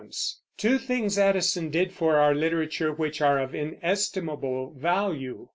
Two things Addison did for our literature which are of inestimable value.